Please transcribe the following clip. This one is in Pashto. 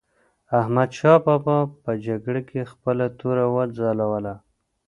احمدشاه بابا په جګړه کې خپله توره وځلوله.